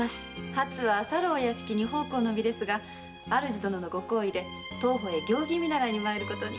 はつはさるお屋敷に奉公の身ですが主殿のご好意で当方へ行儀見習いに参ることに。